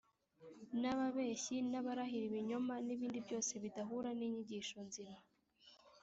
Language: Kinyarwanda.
n’ababeshyi n’abarahira ibinyoma, n’ibindi byose bidahura n’inyigisho nzima,